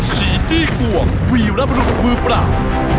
ฉีดที่กวงวีลับรุกมือปราบ